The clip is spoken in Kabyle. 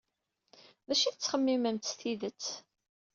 D acu ay tettxemmimemt s tidet?